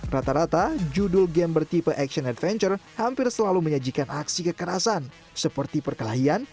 rata rata judul game bertipe action adventure hampir selalu menyajikan aksi kekerasan seperti perkelahian